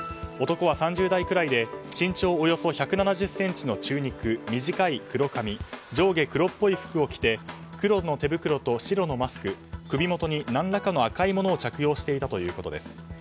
男は３０代くらいで身長およそ１７０ｃｍの中肉短い黒髪、上下黒っぽい服を着て黒の手袋と白のマスク、首元に何らかの赤いものを着用していたということです。